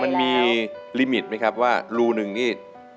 มันมีลิมิตมั้ยครับว่ารูนึงนี่